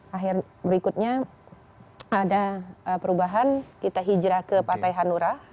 dan berikutnya ada perubahan kita hijrah ke patai hanura